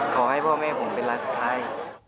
ขอให้พ่อแม่ผมเป็นรายสุดท้าย